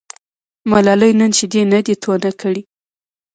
ملالۍ نن شیدې نه دي تونه کړي.